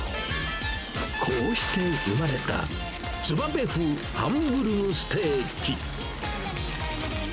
こうして生まれた、つばめ風ハンブルグステーキ。